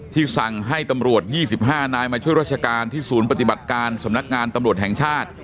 สั่งให้ตำรวจ๒๕นายมาช่วยราชการที่ศูนย์ปฏิบัติการสำนักงานตำรวจแห่งชาติ